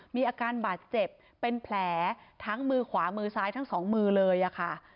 มีอาการบาดเจ็บเป็นแผลทั้งมือขวามือซ้ายทั้งสองมือเลยค่ะ